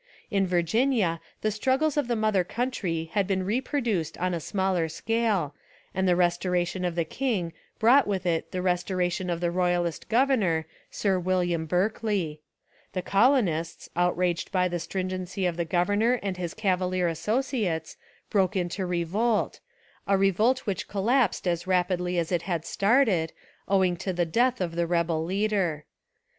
In Virginia the struggles of the mother country had been reproduced on a smaller scale, and the restoration of the king brought with It the restoration of the royalist governor, Sir William Berkeley. The colonists, outraged by the stringency of the governor and his cavalier associates, broke into revolt, a revolt which collapsed as rapidly as It had started, owing to the death of the rebel leader.